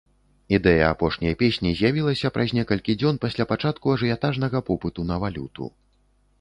Ідэя апошняй песні з'явілася праз некалькі дзён пасля пачатку ажыятажнага попыту на валюту.